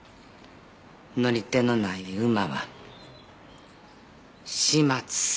乗り手のない馬は始末される。